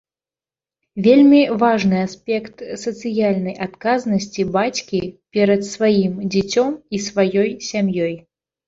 Вельмі важны аспект сацыяльнай адказнасці бацькі перад сваім дзіцем і сваёй сям'ёй.